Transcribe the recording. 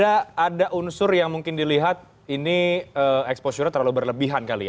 ada unsur yang mungkin dilihat ini exposure nya terlalu berlebihan kali ya